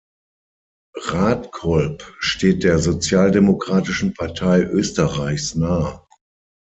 Rathkolb steht der Sozialdemokratischen Partei Österreichs nahe.